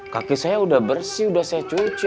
kaki saya udah bersih udah saya cucu